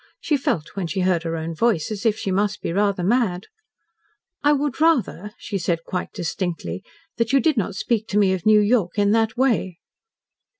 She felt, when she heard her own voice, as if she must be rather mad. "I would rather," she said quite distinctly, "that you did not speak to me of New York in that way."